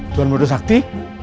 tuhan mudo sakti